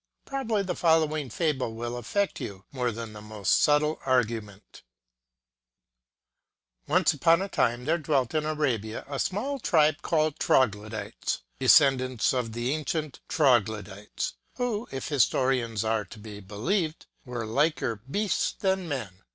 Probably the follow ing fable will affect you more than the most subtle argu ment : Once upon a time there dwelt in Arabia a small tribe called Troglodites, descendants of the ancient Troglodites, who, if historians are to be believed,! were liker beasts than men.